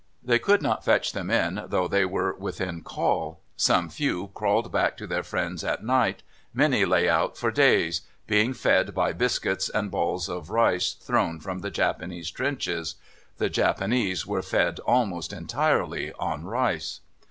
They could not fetch them in, though they were within call. Some few crawled back to their friends at night; many lay out for days, being fed by biscuits and balls of rice thrown from the Japanese trenches the Japanese were fed almost entirely on rice.